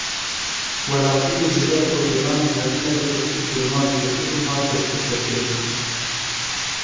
Welatiyê ji ber Ocalan rexne li Ozturk Yilmaz girtibûn hat desteserkirin.